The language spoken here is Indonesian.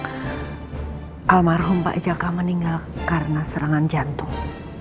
tawang almarhum pak ejaka meninggal karena serangan jantung